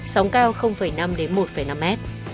sóng cao năm một năm m